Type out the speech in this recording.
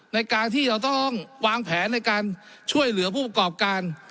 ในการที่เราต้องวางแผนในการช่วยเหลือผู้ประกอบการ